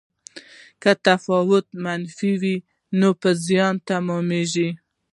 که تفاوت منفي وي نو په زیان تمامیږي.